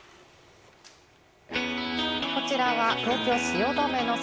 こちらは東京・汐留の空。